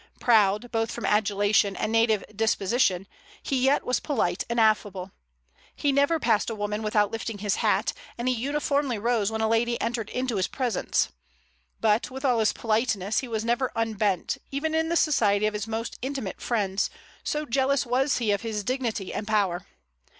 Proud, both from adulation and native disposition, he yet was polite and affable. He never passed a woman without lifting his hat, and he uniformly rose when a lady entered into his presence. But, with all his politeness, he never unbent, even in the society of his most intimate friends, so jealous was he of his dignity and power.